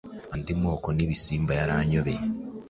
andi moko n ibisimba yaranyobeye,